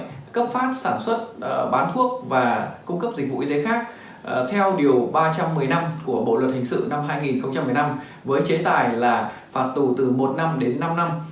các cấp sản xuất bán thuốc và cung cấp dịch vụ y tế khác theo điều ba trăm một mươi năm của bộ luật hình sự năm hai nghìn một mươi năm với chế tài là phạt tù từ một năm đến năm năm